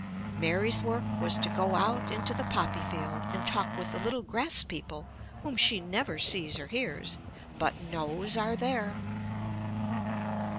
Mary's work was to go out into the poppy field and talk with the little grass people whom she never sees or hears, but knows are there.